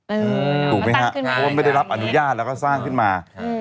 เออมาตั้งขึ้นมาเพราะว่าไม่ได้รับอนุญาตแล้วก็สร้างขึ้นมา